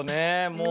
もう。